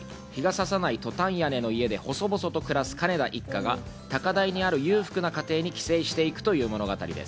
陽がささないトタン屋根の家で細々と暮らす金田一家が高台にある裕福な家庭に寄生していくという物語です。